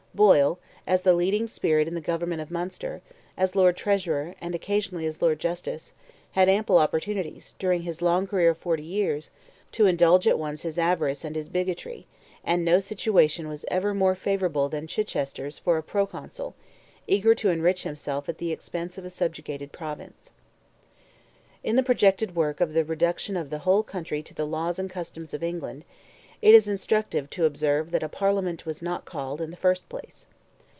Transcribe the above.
Boyle, as the leading spirit in the government of Munster, as Lord Treasurer, and occasionally as Lord Justice, had ample opportunities, during his long career of forty years, to indulge at once his avarice and his bigotry; and no situation was ever more favourable than Chichester's for a proconsul, eager to enrich himself at the expense of a subjugated Province. In the projected work of the reduction of the whole country to the laws and customs of England, it is instructive to observe that a Parliament was not called in the first place.